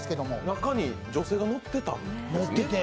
中に女性が乗ってたんですね。